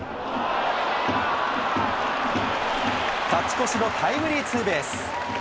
勝ち越しのタイムリーツーベース。